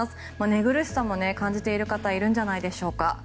寝苦しさも感じている方いるんじゃないでしょうか。